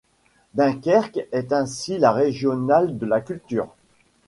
Dunkerque est ainsi la régionale de la culture.